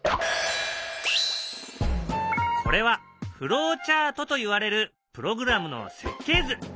これはフローチャートといわれるプログラムの設計図。